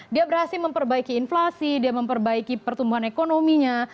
dia berhasil memperbaiki inflasi dia memperbaiki pertumbuhan ekonominya